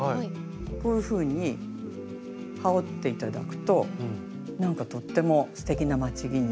こういうふうに羽織って頂くとなんかとってもすてきな街着に。